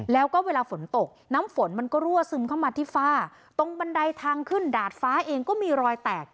แล้วก็เวลาฝนตกน้ำฝนมันก็รั่วซึมเข้ามาที่ฝ้าตรงบันไดทางขึ้นดาดฟ้าเองก็มีรอยแตก